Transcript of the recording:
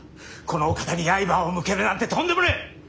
このお方に刃を向けるなんてとんでもねえ！